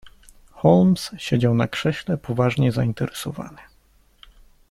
"Holmes siedział na krześle poważnie zainteresowany."